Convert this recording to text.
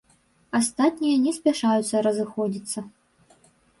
Астатнія не спяшаюцца разыходзіцца.